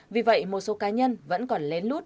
vì vậy một số cá nhân vẫn còn lén lút